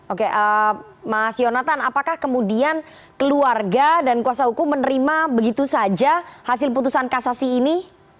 oke mas yonatan apakah kemudian keluarga dan kuasa hukum menerima begitu saja hasil putusan kasasi ini